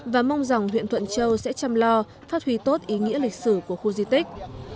và mong rằng huyện thuận châu sẽ chăm lo phát huy tốt ý nghĩa lịch sử của khu di tích